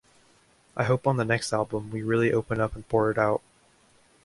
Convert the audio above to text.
I hope on the next album we really open up and pour it out.